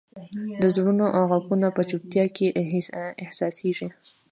د زړونو ږغونه په چوپتیا کې احساسېږي.